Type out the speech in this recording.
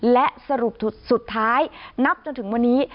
และสรุปสุดท้ายนับจนถึงวันนี้